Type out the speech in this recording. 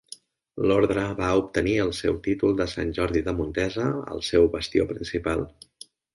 L'ordre va obtenir el seu títol de Sant Jordi de Montesa, el seu bastió principal.